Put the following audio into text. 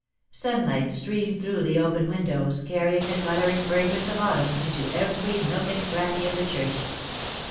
Sunlight streamed through the open windows, carrying the colour and fragrance of Autumn into every nook and cranny of the church.